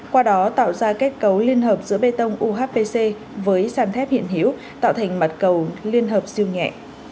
qua đó tạo ra kết cấu liên hợp giữa bê tông uhpc với sàn thép hiện hữu tạo thành mặt cầu liên hợp siêu nhẹ